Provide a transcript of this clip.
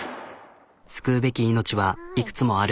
救うべき命はいくつもある。